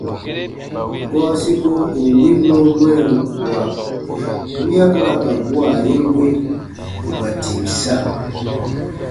Gɔɔ siko ù n win nɔɔ mwɛɛru kua wiya u ra ka gua ye we ù ka tìm sa.